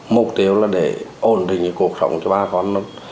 mục tiêu là để ổn định cuộc sống cho bà con